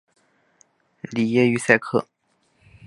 里耶于塞克。